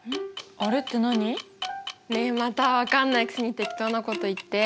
ねえまたわかんないくせに適当なこと言って。